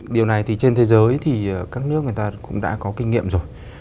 điều này trên thế giới các nước cũng đã có kinh nghiệm rồi